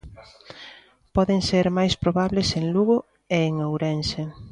Poden ser máis probables en Lugo e en Ourense.